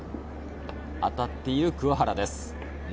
当たっている桑原です。